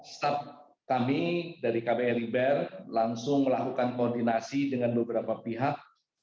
staf kami dari kbri ber langsung melakukan koordinasi dengan beberapa pihak